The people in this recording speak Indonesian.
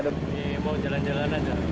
iya bawa jalan jalan aja